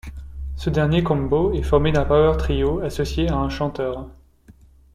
Ce dernier combo est formé d'un power trio associé à un chanteur.